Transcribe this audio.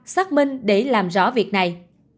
xác minh để làm rõ việc này